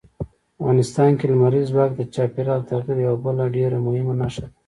افغانستان کې لمریز ځواک د چاپېریال د تغیر یوه بله ډېره مهمه نښه ده.